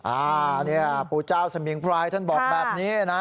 อ่านี่อะปุจาคสมิงพรายทั้งหมดแบบนี้นะ